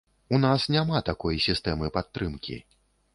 У нас няма такой сістэмы падтрымкі.